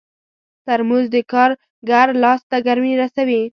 ترموز د کارګر لاس ته ګرمي رسوي.